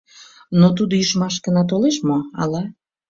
Но тудо ӱжмашкына толеш мо, ала?